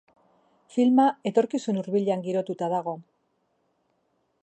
Filma etorkizun hurbilean girotuta dago.